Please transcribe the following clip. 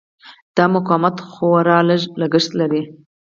دا مقاومت خورا لږ لګښت لري.